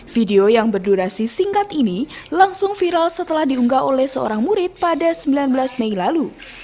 video yang berdurasi singkat ini langsung viral setelah diunggah oleh seorang murid pada sembilan belas mei lalu